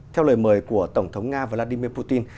theo lời mời của tổng thống nga vladimir putin